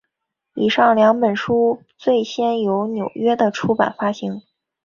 以上两本书都最先由纽约的出版发行。